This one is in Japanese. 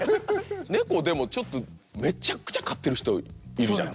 ネコでもちょっとめちゃくちゃ飼ってる人いるじゃん。